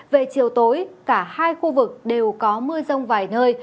về chiều tối cả hai khu vực đều có mưa rông vài nơi